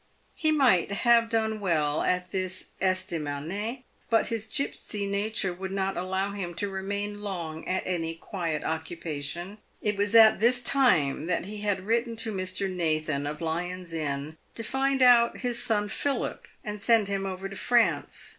He might have done well at this estaminet, but his gipsy nature would not allow him to remain long at any quiet occupation. It was at this time that he had written to Mr. Nathan, of Lyon's Inn, to find out his son Philip and send him over to Erance.